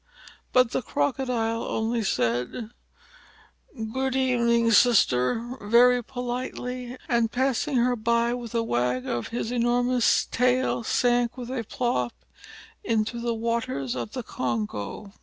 But the Crocodile only said, "Good evening, Sister," very politely, and passing her by with a wag of his enormous tail sank with a plop into the waters of the Congo.